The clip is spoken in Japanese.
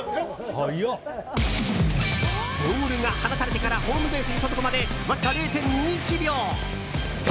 ボールが放たれてからホームベースに届くまでわずか０．２１秒！